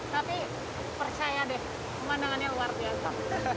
tapi percaya deh pemandangannya luar biasa